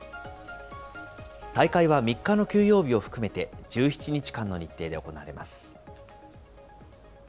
大会は３日の休養日を含めて１７日間の日程で行われます。